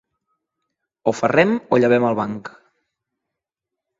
O ferrem o llevem el banc.